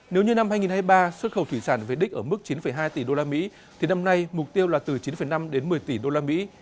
nếu như năm hai nghìn hai mươi ba xuất khẩu thủy sản về đích ở mức chín hai tỷ đô la mỹ thì năm nay mục tiêu là từ chín năm đến một mươi tỷ đô la mỹ